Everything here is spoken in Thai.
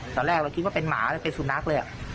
ตอนแรกเราคิดว่าเป็นหมาเป็นสุนัขเลย